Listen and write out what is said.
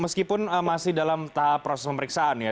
meskipun masih dalam tahap proses pemeriksaan ya